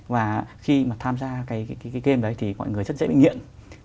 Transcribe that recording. và khi mà tham gia cái game đấy thì mọi người rất dễ bị nghiện